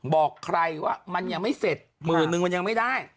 บอกใครว่ามันยังไม่เสร็จหมื่นนึงมันยังไม่ได้